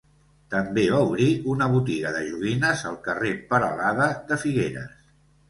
També va obrir una botiga de joguines al carrer Peralada de Figueres.